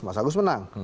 mas agus menang